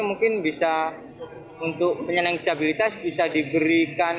mungkin bisa untuk penyandang disabilitas bisa diberikan